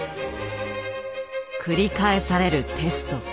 繰り返されるテスト。